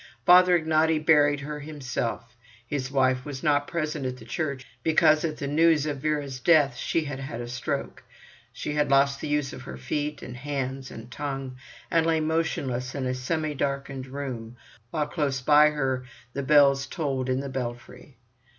Father Ignaty buried her himself. His wife was not present at the church, because at the news of Vera's death she had had a stroke. She had lost the use of her feet and hands and tongue, and lay motionless in a semi darkened room, while close by her the bells tolled in the belfry.